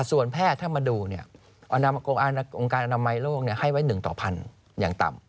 ส่วนแพทย์ถ้ามาดูองค์การอนามัยโลกให้ไว้๑ต่อพันอย่างต่ำ